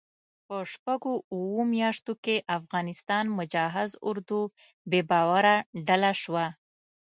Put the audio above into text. په شپږو اوو میاشتو کې افغانستان مجهز اردو بې باوره ډله شوه.